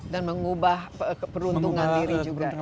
dan mengubah peruntungan diri juga ya